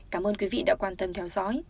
cảm ơn quý vị đã quan tâm theo dõi